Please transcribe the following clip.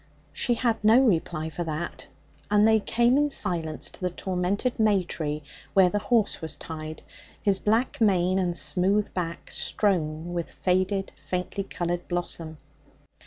She had no reply for that, and they came in silence to the tormented may tree where the horse was tied, his black mane and smooth back strown with faded, faintly coloured blossom.